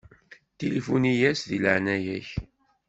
Tilifuni-yas di leɛnaya-k.